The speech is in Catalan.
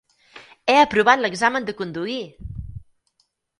He aprovat l'examen de conduir!